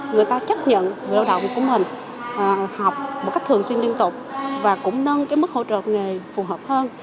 người ta chấp nhận người lao động của mình học một cách thường xuyên liên tục và cũng nâng mức hỗ trợ nghề phù hợp hơn